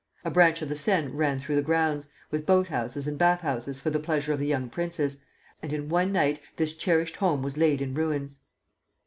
A branch of the Seine ran through the grounds, with boat houses and bath houses for the pleasure of the young princes, and in one night this cherished home was laid in ruins!